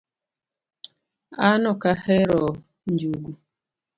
An okahero njugu